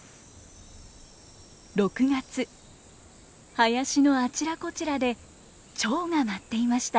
林のあちらこちらでチョウが舞っていました。